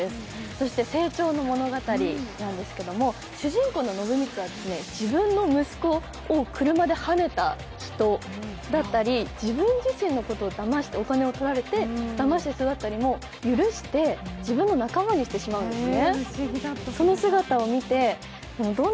そして成長の物語なんですけれども主人公の暢光は自分の息子を車ではねた人だったり、自分自身のこと、お金を取られた騙した人たちだったりを許して、自分の仲間にしてしまうんですね。